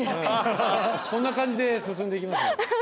こんな感じで進んでいきます